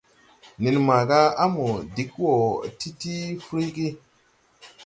Nen maaga a mo dig wɔɔ ti ti fruygi.